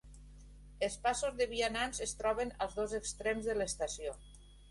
Els passos de vianants es troben als dos extrems de l'estació.